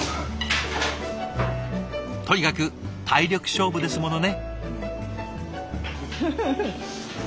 とにかく体力勝負ですものね。